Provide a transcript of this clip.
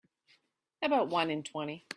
About one in twenty.